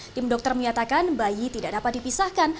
tim dokter menyatakan bayi tidak dapat dipisahkan